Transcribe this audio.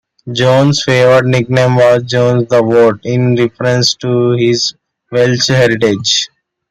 Jones' favoured nickname was "Jones the Vote" in reference to his Welsh heritage.